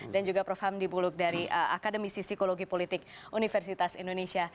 dan juga prof hamdi buluk dari akademisi psikologi politik universitas indonesia